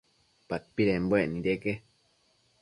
Padpidembuec nideque